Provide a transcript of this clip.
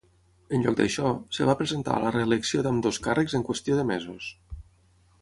En lloc d'això, es va presentar a la reelecció d'ambdós càrrecs en qüestió de mesos.